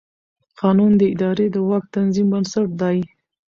قانون د ادارې د واک د تنظیم بنسټ دی.